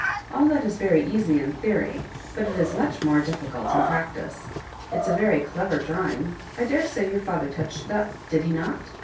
All that is very easy in theory, but it is much more difficult in practice. It's a very clever drawing. I daresay your &ther touched it up—did he not?